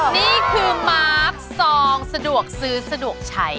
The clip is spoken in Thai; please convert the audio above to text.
นี่คือมาร์คซองสะดวกซื้อสะดวกใช้